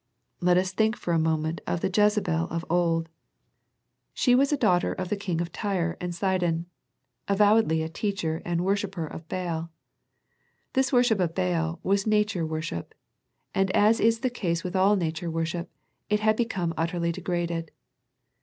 Let us think for a moment of the Jezebel of old. She was a daughter of the king of Tyre 1 20 A First Century Message and Sidon, avowedly a teacher and worshipper of Baal. This worship of Baal was Nature worship, and as is the case with all Nature worship, it had become utterly degraded.